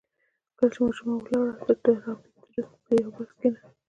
کله چې ماشومه ولاړه د ډاربي تره پر يوه بکس کېناست.